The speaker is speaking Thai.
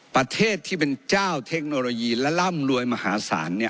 ประเทศที่เป็นเจ้าเทคโนโลยีและร่ำรวยมหาศาล